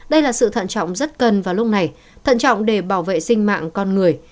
đây là sự thận trọng rất cần vào lúc này thận trọng để bảo vệ sinh mạng con người